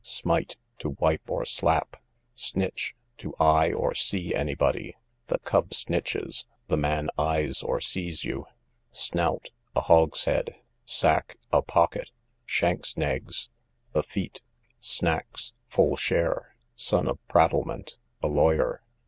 Smite, to wipe or slap. Snitch, to eye or see any body; the cub snitches, the man eyes or sees you. Snout, a hogshead. Sack, a pocket. Shanks's naigs, the feet. Snacks, full share. Son of prattlement, a lawyer.